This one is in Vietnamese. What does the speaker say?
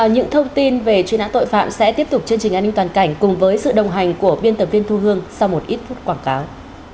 những thông tin về truy nã tội phạm sẽ tiếp tục chương trình an ninh toàn cảnh cùng với sự đồng hành của biên tập viên thu hương sau một ít phút quảng cáo